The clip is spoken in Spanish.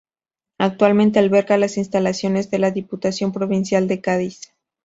Actualmente alberga las instalaciones de la Diputación Provincial de Cádiz.